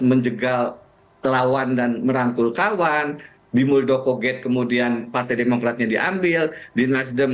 menjegal lawan dan merangkul kawan di muldoko gate kemudian partai demokratnya diambil di nasdem